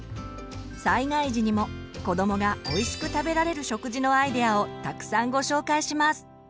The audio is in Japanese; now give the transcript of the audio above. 災害時にも子どもがおいしく食べられる食事のアイデアをたくさんご紹介します。